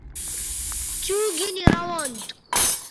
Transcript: چوں گِھنی روان تھو